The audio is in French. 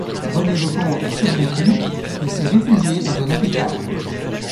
René Le Comte a survécu et s’est réfugié dans un hôpital.